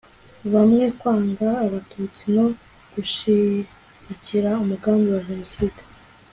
bamwe kwanga abatutsi no gushyigikira umugambi wa jenoside